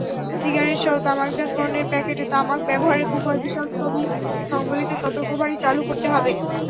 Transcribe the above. সিগারেটসহ তামাকজাত পণ্যের প্যাকেটে তামাক ব্যবহারের কুফল–বিষয়ক ছবি–সংবলিত সতর্কবাণী চালু করতে হবে।